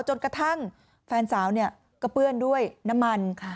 จนกระทั่งแฟนสาวเนี่ยกระเปื้อนด้วยน้ำมันค่ะ